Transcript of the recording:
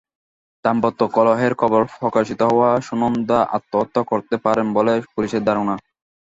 দাম্পত্য কলহের খবর প্রকাশিত হওয়ায় সুনন্দা আত্মহত্যা করতে পারেন বলে পুলিশের ধারণা।